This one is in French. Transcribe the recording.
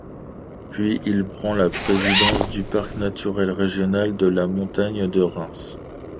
Puis il prend la présidence du Parc naturel régional de la Montagne de Reims.